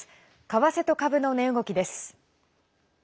為替と株の値動きです。